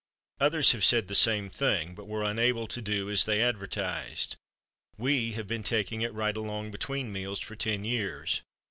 Others have said the same thing, but were unable to do as they advertised. We have been taking it right along, between meals for ten years.